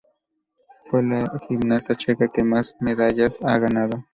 Fue la gimnasta checa que más medallas ha ganado.